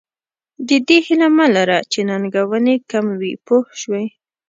د دې هیله مه لره چې ننګونې کم وي پوه شوې!.